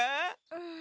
うん？